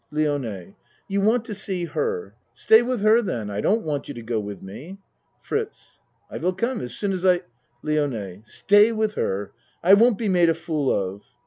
LIONE You want to see her. Stay with her then. I don't want you to go with me. FRITZ I will come as soon as I LIONE Stay with her. I won't be made a fool of.